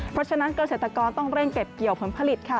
เพราะฉะนั้นเกษตรกรต้องเร่งเก็บเกี่ยวผลผลิตค่ะ